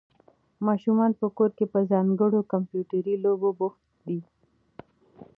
ماشومان په کور کې په ځانګړو کمپیوټري لوبو بوخت دي.